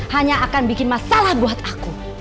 hanya akan bikin masalah buat aku